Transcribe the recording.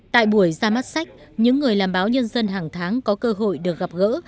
tại buổi ra mắt sách những người làm báo nhân dân hàng tháng có cơ hội được gặp gỡ